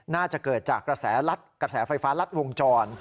น่าจะเกิดจากกระแสไฟฟ้ารัดวงจร